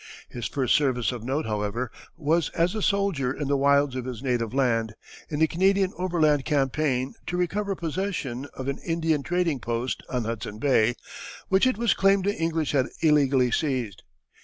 His first service of note, however, was as a soldier in the wilds of his native land, in the Canadian overland campaign to recover possession of an Indian trading post on Hudson Bay, which it was claimed the English had illegally seized.